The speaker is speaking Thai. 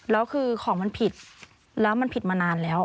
แล้วคือของมันผิดแล้วมันผิดมานานแล้ว